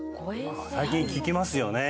最近聞きますよね